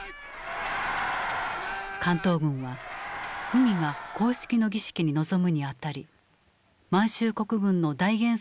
関東軍は溥儀が公式の儀式に臨むにあたり満州国軍の大元帥服を着るよう命じた。